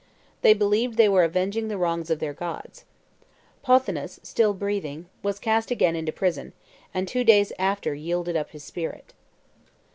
They believed they were avenging the wrongs of their gods. Pothinus, still breathing, was cast again into prison, and two days after yielded up his spirit.